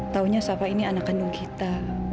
taunya sapa ini anak kandung kita